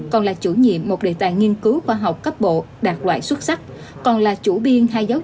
còn là chủ nhiệm một đề tài nghiên cứu khoa học cấp bộ đạt loại xuất sắc còn là chủ biên hai giáo